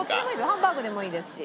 ハンバーグでもいいですし。